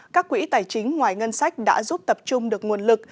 các quỹ tài chính ngoài ngân sách đã giúp tập trung được nguồn lực